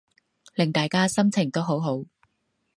令大家心情都好好